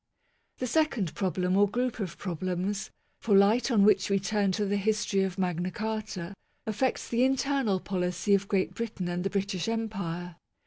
The second problem or group of problems, for light on which we turn to the history of Magna Carta, affects the internal policy of Great Britain and the British Empire.